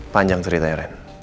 panjang ceritanya ren